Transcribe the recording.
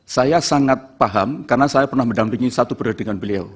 saya sangat paham karena saya pernah mendampingi satu periode dengan beliau